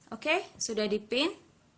oke sudah dipin